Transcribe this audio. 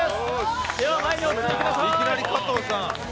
前にお進みください。